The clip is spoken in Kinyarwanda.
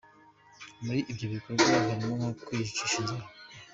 Muri ibyo bikorwa harimo nko kwiyicisha inzara.